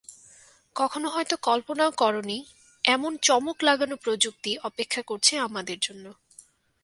কখনো হয়তো কল্পনাও করোনি, এমন চমক লাগানো প্রযুক্তি অপেক্ষা করছে আমাদের জন্য।